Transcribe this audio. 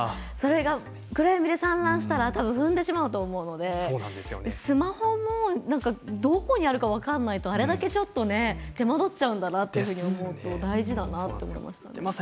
それが暗闇で散乱したらたぶん踏んでしまうと思うのでスマホも、どこにあるのか分からないとあれだけ手間取っちゃうんだなと思うと大事だなと思いました。